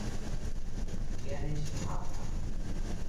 你按呢傷譀啦！